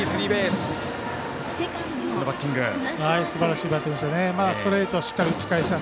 すばらしいバッティングでした。